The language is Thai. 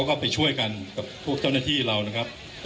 คุณผู้ชมไปฟังผู้ว่ารัฐกาลจังหวัดเชียงรายแถลงตอนนี้ค่ะ